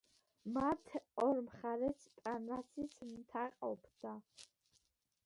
მათს ორ მხარეს პარნასის მთა ყოფდა.